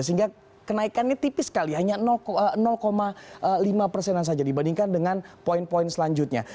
sehingga kenaikannya tipis sekali hanya lima persenan saja dibandingkan dengan poin poin selanjutnya